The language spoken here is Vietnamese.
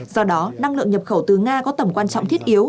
do đó năng lượng nhập khẩu từ nga có tầm quan trọng thiết yếu